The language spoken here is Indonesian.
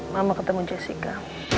mama ketemu jessica